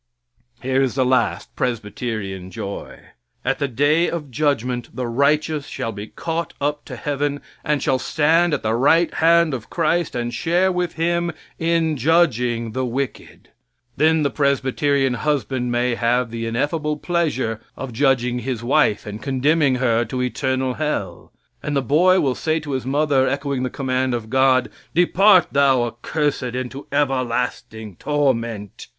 Here is the last Presbyterian joy: At the day of judgment the righteous shall be caught up to heaven and shall stand at the right hand of Christ and share with Him in judging the wicked. Then the Presbyterian husband may have the ineffable pleasure of judging his wife and condemning her to eternal hell, and the boy will say to his mother, echoing the command of God: "Depart, thou accursed, into everlasting torment!"